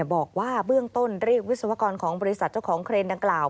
บอกว่าเบื้องต้นเรียกวิศวกรของบริษัทเจ้าของเครนดังกล่าว